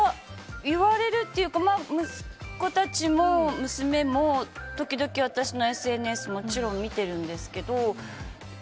言われるっていうか息子たちも、娘も時々、私のＳＮＳをもちろん見ているんですけど。